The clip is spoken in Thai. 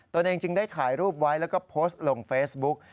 ตัวเองจึงได้ถ่ายรูปไว้แล้วก็โพสต์ลงเฟซบุ๊ก